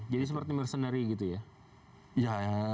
jadi seperti mercenary gitu ya